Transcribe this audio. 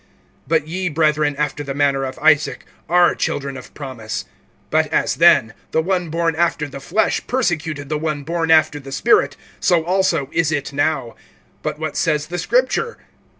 (28)But ye, brethren, after the manner of Isaac, are children of promise. (29)But as then, the one born after the flesh persecuted the one born after the spirit, so also is it now. (30)But what says the Scripture?